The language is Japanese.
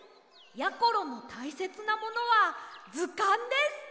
やころのたいせつなものはずかんです。